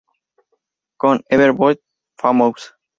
Con "Everybody's Famous!